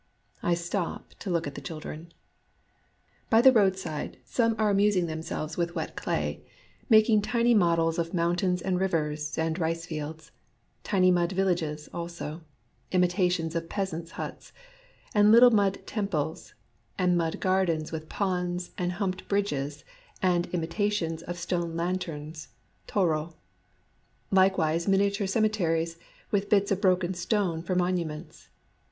I stop to look at the children. By the roadside some are amusing them selves with wet clay, making tiny models of mountains and rivers and rice fields ; tiny mud villages, also, — imitations of peasants' huts, — and little mud temples, and mud gardens with DUST 85 ponds and humped bridges and imitations of stone lanterns (toro) ; likewise miniature cem eteries, with bits of broken stone for monu ments.